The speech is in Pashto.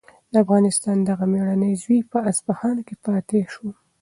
د افغانستان دغه مېړنی زوی په اصفهان کې فاتح شو.